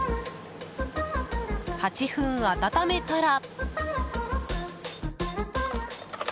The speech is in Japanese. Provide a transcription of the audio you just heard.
８分温めたら。